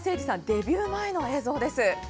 デビュー前の映像です。